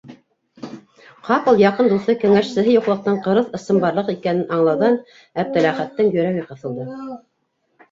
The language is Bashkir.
Ҡапыл яҡын дуҫы, кәңәшсеһе юҡлыҡтың ҡырыҫ ысынбарлыҡ икәнен аңлауҙан Әптеләхәттең йөрәге ҡыҫылды.